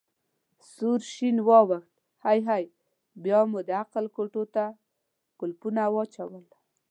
سور شین واوښت: هی هی، بیا مو د عقل کوټو ته کولپونه واچول.